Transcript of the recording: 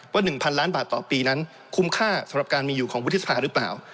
ว่า๑๐๐ล้านบาทต่อปีนั้นคุ้มค่าสำหรับการมีอยู่ของวุฒิสภาหรือเปล่า